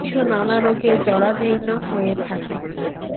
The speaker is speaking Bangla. শিশু নানা রোগে জরাজীর্ণ হয়ে থাকে।